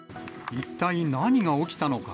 一体何が起きたのか。